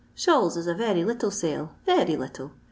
Shawls is a very little sale ; very little.